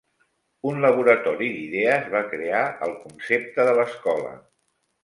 Un laboratori d'idees va crear el concepte de l'escola.